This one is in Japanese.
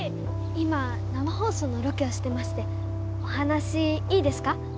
今生ほうそうのロケをしてましてお話いいですか？